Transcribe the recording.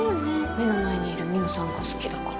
目の前にいる海音さんが好きだから。